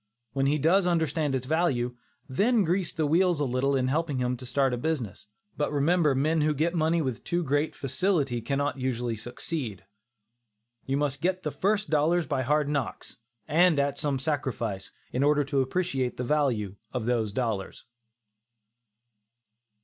When he does understand its value, then grease the wheels a little in helping him to start business, but remember men who get money with too great facility cannot usually succeed. You must get the first dollars by hard knocks, and at some sacrifice, in order to appreciate the value of those dollars.